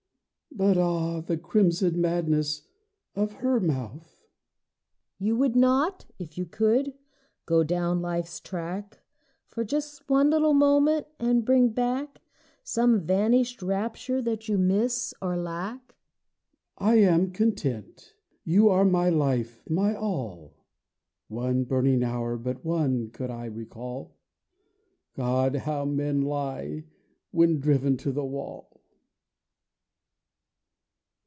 (But, ah, the crimson madness of her mouth!) WIFE You would not, if you could, go down life's track For just one little moment and bring back Some vanished rapture that you miss or lack? HUSBAND I am content. You are my life, my all. (One burning hour, but one, could I recall; God, how men lie when driven to the wall!)